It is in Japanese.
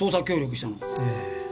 ええ。